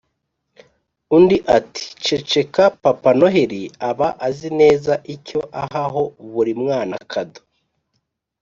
undi ati "ceceka papa noheli aba azi neza icyo aha ho buri mwana kado".